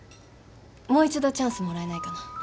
もう一度チャンスもらえないかな？